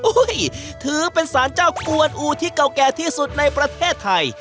ถือเป็นสารเจ้ากวนอูที่เก่าแก่ที่สุดในประเทศไทย